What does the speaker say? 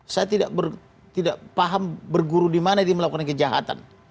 saya tidak paham berguru dimana dia melakukan kejahatan